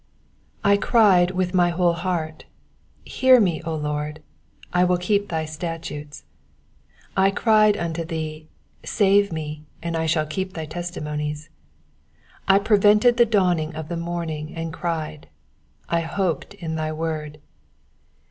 I CRIED with my whole heart ; hear me, O Lord : I will keep thy statutes. 146 I cried unto thee ; save me, and I shall keep thy testi monies. 147 I prevented the dawning of the morning, and cried : I hoped in thy word.